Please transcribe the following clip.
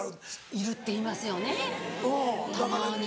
いるっていいますよねたまに。